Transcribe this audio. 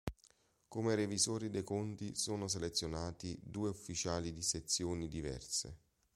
Come revisori dei conti sono selezionati due ufficiali di sezioni diverse.